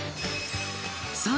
さあ